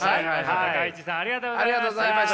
高市さんありがとうございました。